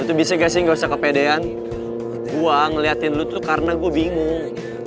itu bisa gak sih gak usah kepedean uang ngeliatin lu tuh karena gue bingung